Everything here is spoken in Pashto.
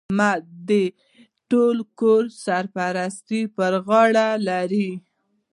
احمد د ټول کور سرپرستي پر غاړه لري.